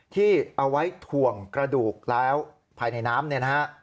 ที่เอาไว้ถ่วงกระดูกแล้วภายในน้ำ